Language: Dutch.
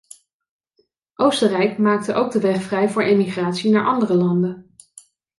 Oostenrijk maakte ook de weg vrij voor emigratie naar andere landen.